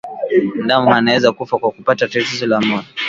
Ndama wanaweza kufa kwa kupata tatizo la moyo